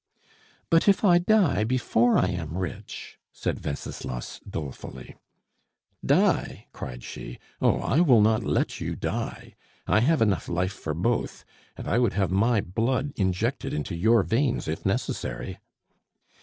"But if I die before I am rich?" said Wenceslas dolefully. "Die!" cried she. "Oh, I will not let you die. I have life enough for both, and I would have my blood injected into your veins if necessary."